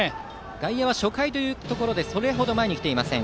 外野、初回ということでそれほど前ではありません。